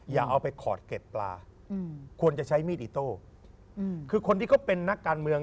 อย่าเอาไปขอดเก็ดปลาอืมควรจะใช้มีดอิโต้อืมคือคนที่เขาเป็นนักการเมือง